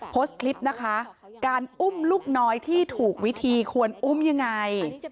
โพสต์คลิปนะคะการอุ้มลูกน้อยที่ถูกวิธีควรอุ้มยังไง